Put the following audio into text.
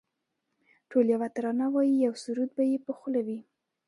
ټول یوه ترانه وایی یو سرود به یې په خوله وي